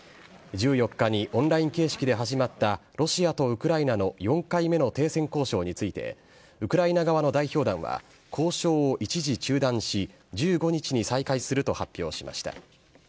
１４日にオンライン形式で始まったロシアとウクライナの４回目の停戦交渉について、ウクライナ側の代表団は交渉を一時中断し、１５日に再開すると発表しました。